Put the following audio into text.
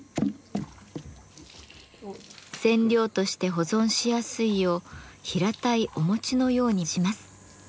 染料として保存しやすいよう平たいお餅のようにします。